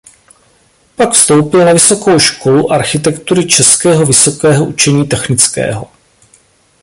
Pak vstoupil na vysokou školu architektury Českého vysokého učení technického.